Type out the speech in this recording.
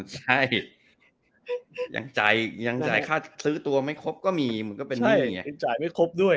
ใช่ยังจ่ายยังจ่ายค่าซื้อตัวไม่ครบก็มีมันก็เป็นใช่